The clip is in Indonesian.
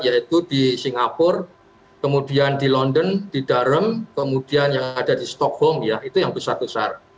yaitu di singapura kemudian di london di darrem kemudian yang ada di stockholm ya itu yang besar besar